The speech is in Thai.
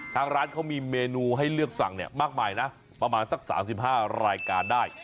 ทางร้านเขามีเมนูให้เลือกสั่งมากมายนะประมาณสัก๓๕รายการได้